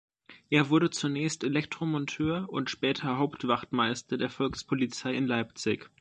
Er wurde zunächst Elektromonteur und später Hauptwachtmeister der Volkspolizei in Leipzig.